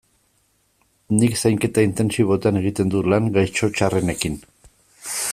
Nik Zainketa Intentsiboetan egiten dut lan, gaixo txarrenekin.